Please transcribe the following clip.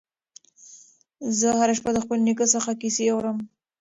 زه هره شپه د خپل نیکه څخه کیسې اورم.